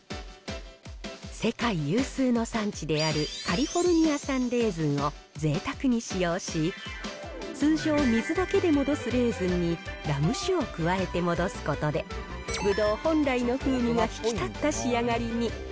世界有数の産地である、カリフォルニア産レーズンをぜいたくに使用し、通常水だけで戻すレーズンに、ラム酒を加えて戻すことで、ぶどう本来の風味が引き立った仕上がりに。